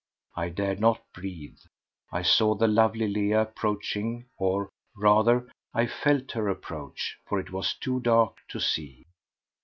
I dared not breathe. I saw the lovely Leah approaching, or, rather, I felt her approach, for it was too dark to see.